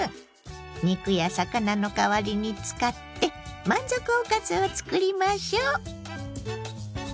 肉や魚の代わりに使って満足おかずをつくりましょ。